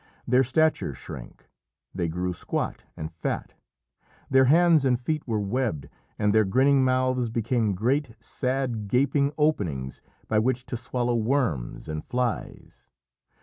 Their stature shrank. They grew squat and fat. Their hands and feet were webbed, and their grinning mouths became great, sad, gaping openings by which to swallow worms and flies.